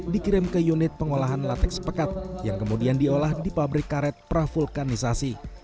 dikirim ke unit pengolahan latex pekat yang kemudian diolah di pabrik karet pravulkanisasi